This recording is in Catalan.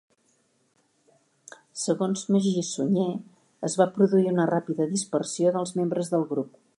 Segons Magí Sunyer es va produir una ràpida dispersió dels membres del grup.